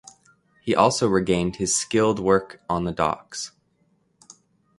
He also regained his skilled work on the docks.